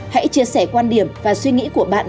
hãy chia sẻ quan điểm và suy nghĩ của bạn